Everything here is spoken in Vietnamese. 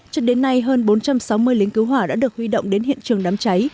cho đến nay hơn bốn trăm sáu mươi lính cứu hỏa đã được huy động đến hiện trường đám cháy